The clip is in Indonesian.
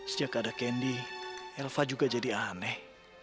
sejak ada kendi elva juga jadi aneh